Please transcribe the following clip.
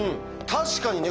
確かにね